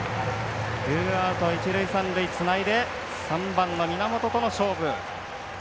ツーアウト、一塁三塁つないで３番の源との勝負。